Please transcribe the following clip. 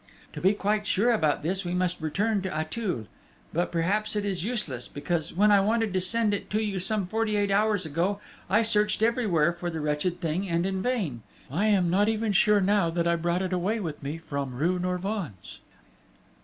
To be quite sure about this, we must return to Auteuil.... But perhaps it is useless; because when I wanted to send it to you some forty eight hours ago, I searched everywhere for the wretched thing, and in vain!... I am not even sure now that I brought it away with me from rue Norvins!"